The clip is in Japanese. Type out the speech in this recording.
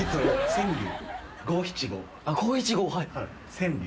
川柳。